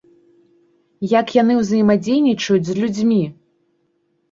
Як яны ўзаемадзейнічаюць з людзьмі!